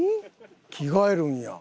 着替えるんや。